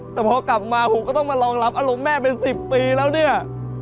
แต่พอกลับมาผมก็ต้องมารองรับอารมณ์แม่เป็น๑๐ปีแล้วเนี่ย